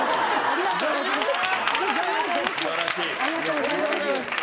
ありがとうございます。